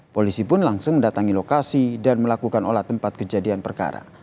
polisi pun langsung mendatangi lokasi dan melakukan olah tempat kejadian perkara